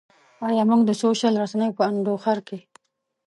ایا موږ د سوشل رسنیو په انډوخر کې.